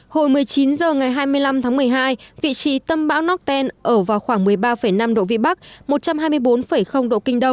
hồi một mươi chín h ngày hai mươi năm tháng một mươi hai vị trí tâm bão nocten ở vào khoảng một mươi ba năm độ vn một trăm hai mươi bốn độ k